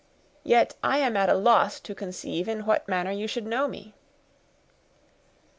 Yet I am at a loss to conceive in what manner you should know me."